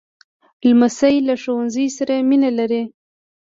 لمسی له ښوونځي سره مینه لري.